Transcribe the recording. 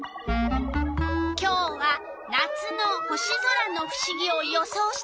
今日は「夏の星空」のふしぎを予想してほしいの。